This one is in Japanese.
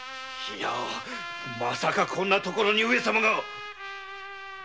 いやまさかこんな所に上様が！